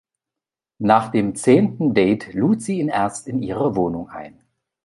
Nach dem zehnten Date lud sie ihn erst in ihre Wohnung ein.